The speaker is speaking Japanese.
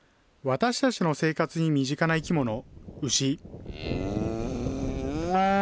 私たちの生活に身近な生き物、牛。